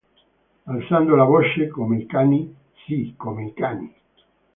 Alzando la voce – come i cani, sì, come i cani!